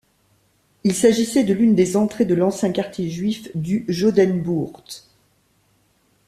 Il s'agissait de l'une des entrées de l'ancien quartier juif du Jodenbuurt.